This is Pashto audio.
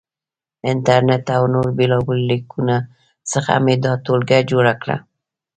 انټرنېټ او نورو بېلابېلو لیکنو څخه مې دا ټولګه جوړه کړه.